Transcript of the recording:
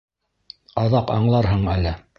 Аҙаҡ аңларһың әле.